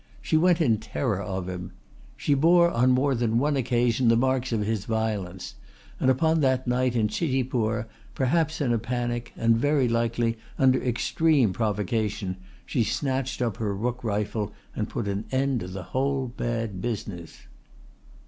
She went in terror of him. She bore on more than one occasion the marks of his violence; and upon that night in Chitipur, perhaps in a panic and very likely under extreme provocation, she snatched up her rook rifle and put an end to the whole bad business."